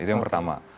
itu yang pertama